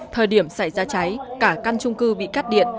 thời điểm xảy ra cháy cả căn trung cư bị cắt điện